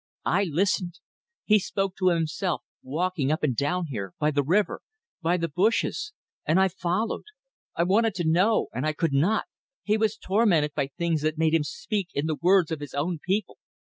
I listened. He spoke to himself walking up and down here by the river; by the bushes. And I followed. I wanted to know and I could not! He was tormented by things that made him speak in the words of his own people.